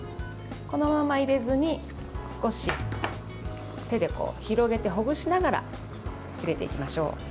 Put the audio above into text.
このまま入れずに少し手で広げてほぐしながら入れていきましょう。